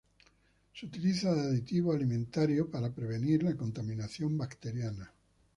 Se utiliza de aditivo alimentario para prevenir la contaminación bacteriana.